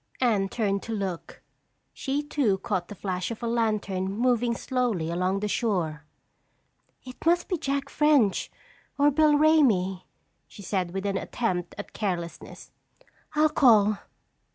Anne turned to look. She too caught the flash of a lantern moving slowly along the shore. "It must be Jack French or Bill Ramey," she said with an attempt at carelessness. "I'll call."